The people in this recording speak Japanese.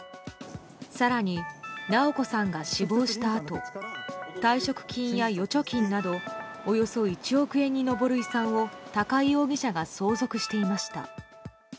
更に、直子さんが死亡したあと退職金や預貯金などおよそ１億円に上る遺産を高井容疑者が相続していました。